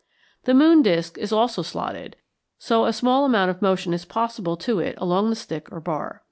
The moon disk is also slotted, so a small amount of motion is possible to it along the stick or bar.